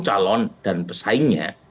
calon dan pesaingnya